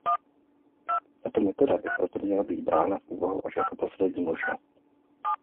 Tato metoda by proto měla být brána v úvahu až jako poslední možnost.